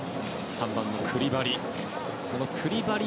３番のクリバリ。